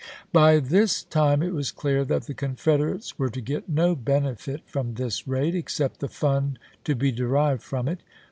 By this time it was clear that the Confederates were to get no benefit from this raid, except the fun to be derived from it.